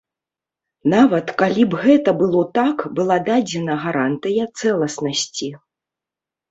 Нават калі б гэта было так, была дадзена гарантыя цэласнасці.